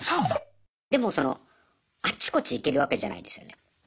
でもそのあっちこっち行けるわけじゃないですよね。